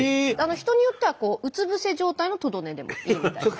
人によってはこううつ伏せ状態のトド寝でもいいみたいです。